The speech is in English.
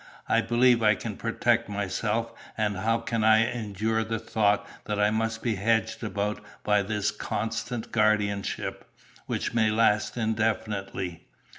I believe I can protect myself, and how can I endure the thought that I must be hedged about by this constant guardianship, which may last indefinitely?